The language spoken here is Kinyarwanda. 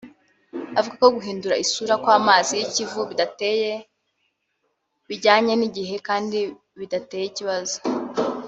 avuga ko guhindura isura kw’amazi y’ikivu bidateye bijyana n’igihe kandi bidateye ikibazo